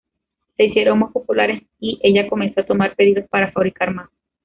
Se hicieron muy populares, y ella comenzó a tomar pedidos para fabricar más.